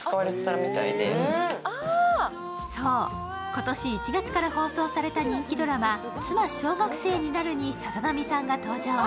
今年１月から放送された人気ドラマ「妻、小学生になる」になるにさざなみさんが登場。